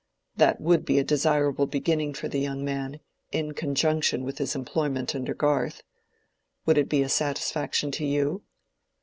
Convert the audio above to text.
That would be a desirable beginning for the young man, in conjunction with his employment under Garth. Would it be a satisfaction to you?"